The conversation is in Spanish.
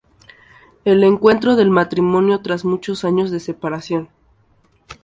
Es el reencuentro del matrimonio tras muchos años de separación.